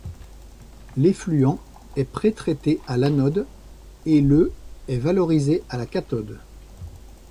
L'effluent est pré-traité à l’anode et le est valorisé à la cathode.